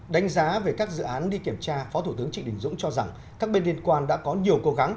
đánh giá về các dự án đi kiểm tra phó thủ tướng trịnh đình dũng cho rằng các bên liên quan đã có nhiều cố gắng